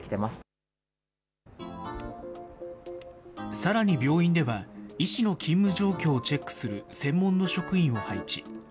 さらに病院では、医師の勤務状況をチェックする専門の職員を配置。